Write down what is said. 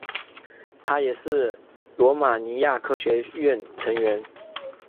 他也是罗马尼亚科学院成员。